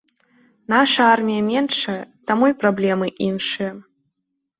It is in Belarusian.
Наша армія меншая, таму і праблемы іншыя.